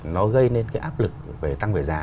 nó gây nên cái áp lực về tăng về giá